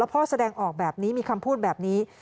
พ่อแสดงออกแบบนี้มีคำพูดแบบนี้